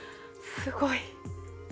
すごい！